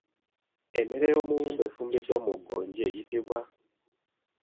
Emmere y'omuwumbo efumbiddwa mu ggonja eyitibwa?